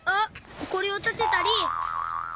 ほこりをたてたり。